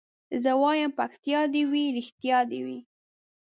زه وايم پکتيا دي وي رښتيا دي وي